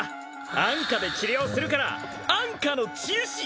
安価で治療するから安価の治癒士